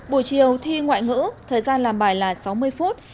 buổi chiều thi ngoại ngữ thời gian làm bài là sáu mươi phút